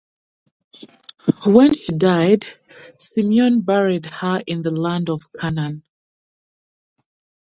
When she died, Simeon buried her in the land of Canaan.